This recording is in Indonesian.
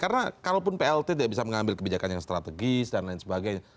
karena kalaupun plt tidak bisa mengambil kebijakan yang strategis dan lain sebagainya